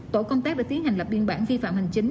tổ công tác đã tiến hành lập biên bản vi phạm hành chính